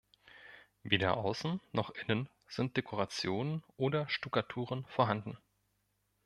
Weder außen noch innen sind Dekorationen oder Stuckaturen vorhanden.